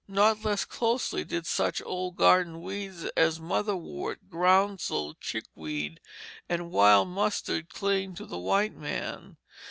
Not less closely did such old garden weeds as motherwort, groundsel, chickweed, and wild mustard cling to the white man.